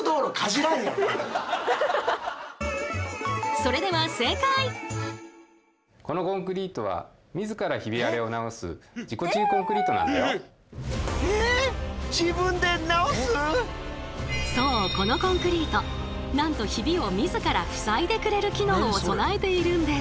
それではそうこのコンクリートなんとヒビを自らふさいでくれる機能を備えているんです。